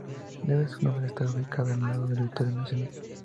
Debe su nombre a estar ubicada al lado del Auditorio Nacional.